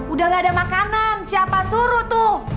udah gak ada makanan siapa suruh tuh